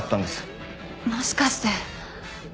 もしかして。